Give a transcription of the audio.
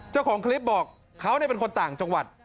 เจ้าของคลิปบอกเขาเป็นคนต่างจังหวัด